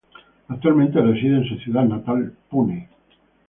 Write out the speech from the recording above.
Actualmente reside en su ciudad natal Pune.